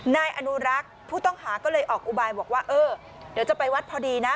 นายอนุรักษ์ผู้ต้องหาก็เลยออกอุบายบอกว่าเออเดี๋ยวจะไปวัดพอดีนะ